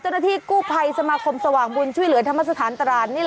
เจ้าหน้าที่กู้ภัยสมาคมสว่างมูลช่วงชี่เหลือทั้ง